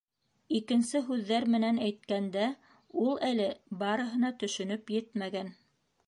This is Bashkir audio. Икенсе һүҙҙәр менән әйткәндә, ул әле барыһына төшөнөп етмәгән.